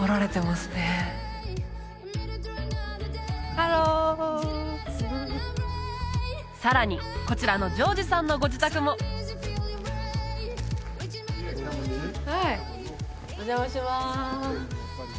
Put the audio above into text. ハローさらにこちらのジョージさんのご自宅もお邪魔します